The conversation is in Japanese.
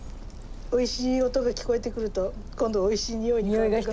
おいしい音が聞こえてくると今度おいしいにおい。